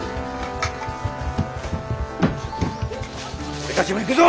俺たちも行くぞ！